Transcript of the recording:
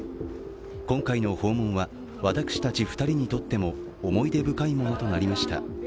今回の訪問は、私たち２人にとっても思い出深いものとなりました。